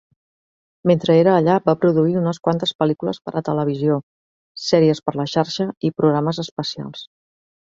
Mentre era allà va produir unes quantes pel·lícules per a televisió, series per la xarxa i programes especials.